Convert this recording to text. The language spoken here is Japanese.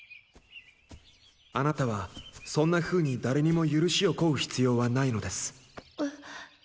あなたはそんなふうに誰にも許しを請う必要はないのです。え？